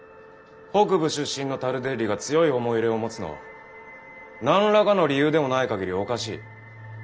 北部出身のタルデッリが強い思い入れを持つのは何らかの理由でもないかぎりおかしい。